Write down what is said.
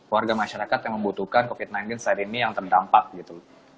warga masyarakat yang membutuhkan covid sembilan belas saat ini yang terdampak gitu